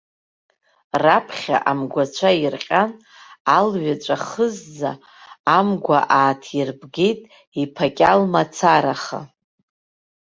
Раԥхьа амгәацәа ирҟьан, алҩаҵә ахызза амгәа ааҭирбгеит, иԥакьал мацараха.